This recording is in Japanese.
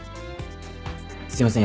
すいません。